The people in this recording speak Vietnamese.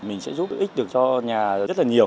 mình sẽ giúp ích được cho nhà rất là nhiều